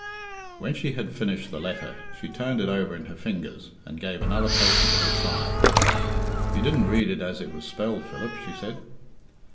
When she had finished the letter, she turned it over in her fingers, and gave another patient little sigh. "You didn't read it as it was spelled, Philip," she said.